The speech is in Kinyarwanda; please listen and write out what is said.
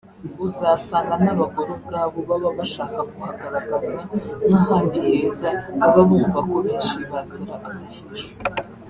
uzasanga n’abagore ubwabo baba bashaka kuhagaragaza nk’ahandi heza baba bumva ko benshi batera akajisho